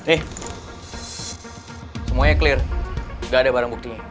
eh semuanya clear gak ada barang buktinya